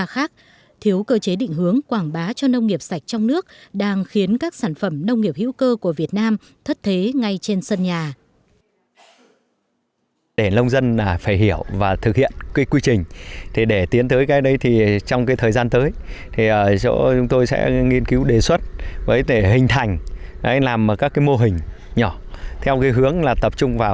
và khác thiếu cơ chế định hướng quảng bá cho nông nghiệp sạch trong nước đang khiến các sản phẩm nông nghiệp hữu cơ của việt nam thất thế ngay trên sân nhà